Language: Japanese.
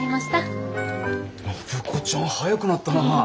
暢子ちゃん早くなったなあ。